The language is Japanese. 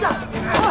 おい！